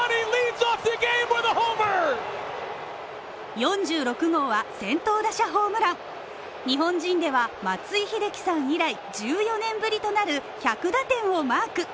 ４６号は、先頭打者ホームラン日本人では松井秀喜さん以来１４年ぶりとなる１００打点をマーク。